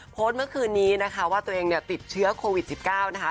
โพสต์เมื่อคืนนี้นะคะยังติดเชื้อโควิด๑๙นะคะ